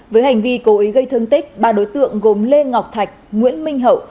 với hành vi cố ý gây thương tích ba đối tượng gồm lê ngọc thạch nguyễn minh hậu